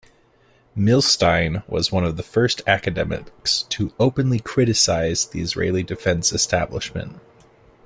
Milstein was one of the first academics to openly criticize the Israeli defense establishment.